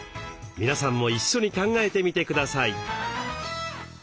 皆さんも一緒に考えてみてください。